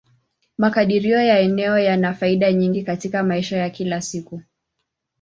Makadirio ya eneo yana faida nyingi katika maisha ya kila siku.